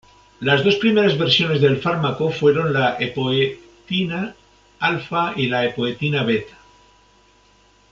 Las dos primeras versiones del fármaco fueron la epoetina alfa y epoetina beta.